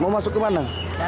mau masuk ke mana